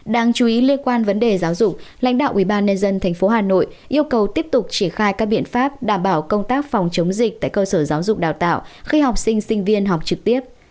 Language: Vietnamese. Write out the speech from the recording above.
đáng chú ý liên quan vấn đề giáo dục lãnh đạo ubnd tp hà nội yêu cầu tiếp tục triển khai các biện pháp đảm bảo công tác phòng chống dịch tại cơ sở giáo dục đào tạo khi học sinh sinh viên học trực tiếp